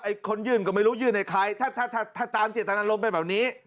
คนยื่นก็ไม่รู้ยื่นให้ใครถ้าถ้าตามเจตนารมณ์เป็นแบบนี้